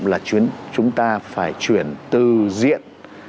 là chúng ta phải chuyển từ diện